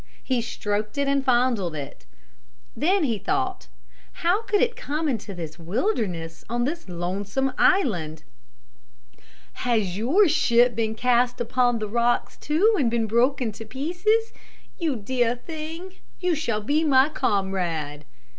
He stroked it and fondled it. Then he thought, how could it come into this wilderness on this lonesome island? "Has your ship been cast upon the rocks too, and been broken to pieces? You dear thing, you shall be my comrade."